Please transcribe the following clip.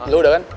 lo udah kan